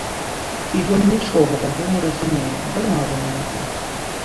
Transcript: І ён нічога таго не разумее, дарма вы на яго.